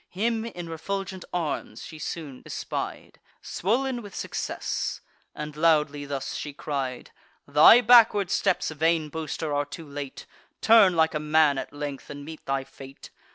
Him in refulgent arms she soon espied, Swoln with success; and loudly thus she cried: "Thy backward steps, vain boaster, are too late; Turn like a man, at length, and meet thy fate.